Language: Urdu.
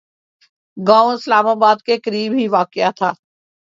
گاؤں اسلام آباد کے قریب ہی واقع تھا